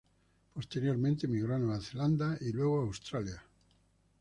Posteriormente emigró a Nueva Zelanda y luego, a Australia.